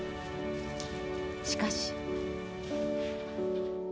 しかし。